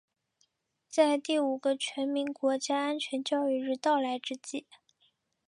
在第五个全民国家安全教育日到来之际